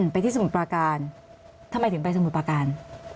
ไปที่สมุทรปราการทำไมถึงไปสมุทรประการ